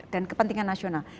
dan kepentingan nasional